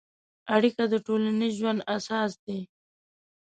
اړیکه د ټولنیز ژوند اساس دی.